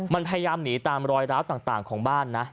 มันพยายามหนีตามรอยร้าวต่างของบ้านนะ